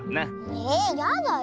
えっやだよ。